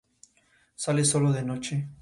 Sale sólo de noche.